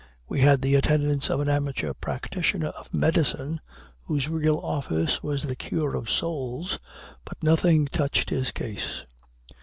We had the attendance of an amateur practitioner of medicine, whose real office was the cure of souls, but nothing touched his case.